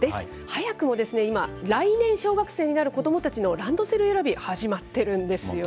早くも今、来年小学生になる子どもたちのランドセル選び、始まってるんですよ。